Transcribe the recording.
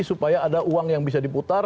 supaya ada uang yang bisa diputar